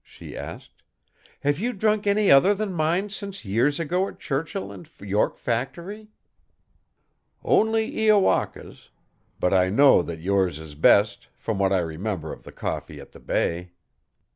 she asked. "Have you drunk any other than mine since years ago at Churchill and York Factory?" "Only Iowaka's. But I know that yours is best, from what I remember of the coffee at the bay."